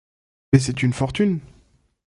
Mais c’est une fortune !